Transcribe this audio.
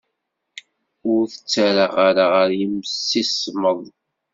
Ur t-ttarraɣ ara ɣer yimsismeḍ.